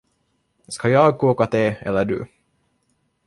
Ska jag koka te eller du?